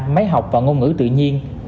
máy học và ngôn ngữ tự nhiên